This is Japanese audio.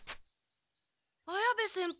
綾部先輩